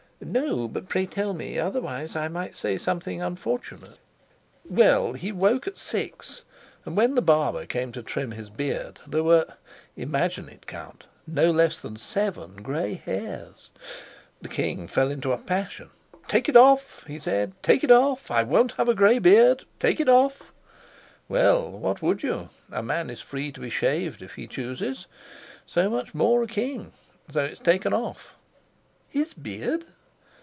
"No, but pray tell me. Otherwise I might say something unfortunate." "Well, he woke at six; and when the barber came to trim his beard there were imagine it, Count! no less than seven gray hairs." The king fell into a passion. "Take it off!" he said. "Take it off. I won't have a gray beard! Take it off!' Well what would you? A man is free to be shaved if he chooses, so much more a king. So it's taken off." "His beard!"